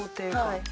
はい。